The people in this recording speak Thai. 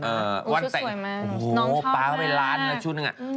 ชุดสวยมากน้องชอบมากอ๋อป๊าเข้าไปร้านแล้วชุดนึงอ่ะ